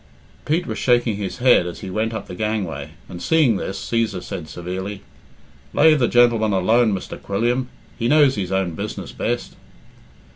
Pete was shaking his head as he went up the gangway, and seeing this, Cæsar said severely "Lave the gentleman alone, Mr. Quilliam. He knows his own business best."